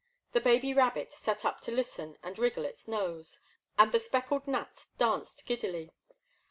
The baby rabbit sat up to listen and wriggle its nose, and the speckled gnats danced giddily.